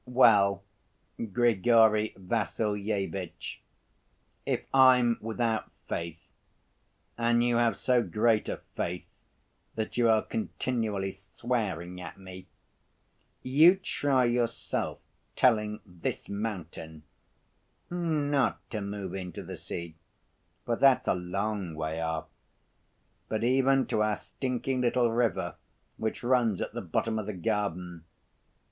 Well, Grigory Vassilyevitch, if I'm without faith and you have so great a faith that you are continually swearing at me, you try yourself telling this mountain, not to move into the sea for that's a long way off, but even to our stinking little river which runs at the bottom of the garden.